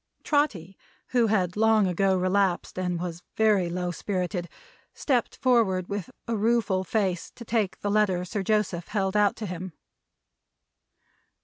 Trotty, who had long ago relapsed, and was very low spirited, stepped forward with a rueful face to take the letter Sir Joseph held out to him.